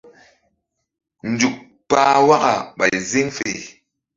Nzuk pah waka ɓay ziŋ fe.